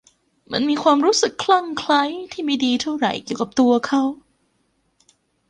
มันมีความรู้สึกคลั่งไคล้ที่ไม่ดีเท่าไหร่เกี่ยวกับตัวเขา